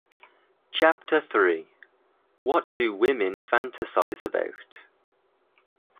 Chapter Three: What do women fantasize about?